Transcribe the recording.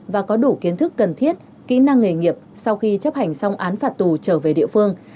và có đủ kiến thức cần thiết kỹ năng nghề nghiệp sau khi chấp hành xong án phạt tù trở về địa phương